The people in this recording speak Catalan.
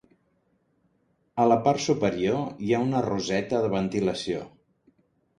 A la part superior hi ha una roseta de ventilació.